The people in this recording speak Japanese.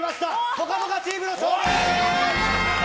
「ぽかぽか」チームの勝利です！